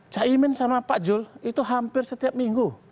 caimin sama pak jul itu hampir setiap minggu